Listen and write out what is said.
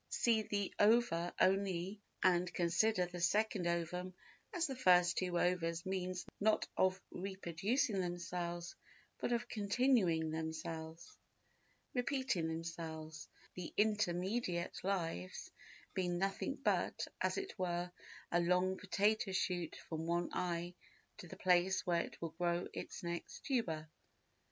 See the ova only and consider the second ovum as the first two ova's means not of reproducing themselves but of continuing themselves—repeating themselves—the intermediate lives being nothing but, as it were, a long potato shoot from one eye to the place where it will grow its next tuber.